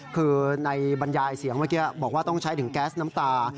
คือในบรรยายเสียงเมื่อกี้บอกว่าต้องใช้ถึงแก๊สน้ำตา